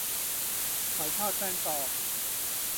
หอยทอดแป้งกรอบ